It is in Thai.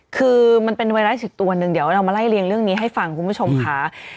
คือมันเป็นไวรัสอีกตัวหนึ่งเดี๋ยวเรามาไล่เรียงเรื่องนี้ให้ฟังคุณผู้ชมค่ะ